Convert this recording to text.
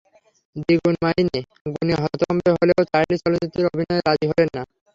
দ্বিগুণ মাইনে শুনে হতভম্ব হলেও চার্লি চলচ্চিত্রে অভিনয়ে রাজি হলেন না।